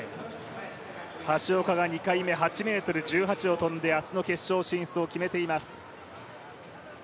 橋岡が２回目、８ｍ１８を跳んで明日の決勝進出を決めています。